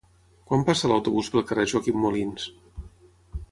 Quan passa l'autobús pel carrer Joaquim Molins?